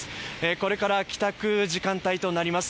これから帰宅時間帯となります。